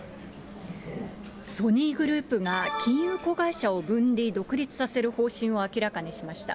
ソニーグループが金融子会社を分離・独立させる方針を明らかにしました。